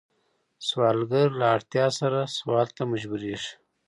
سوالګر له اړتیا سره سوال ته مجبوریږي